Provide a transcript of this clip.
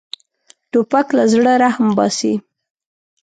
توپک له زړه رحم باسي.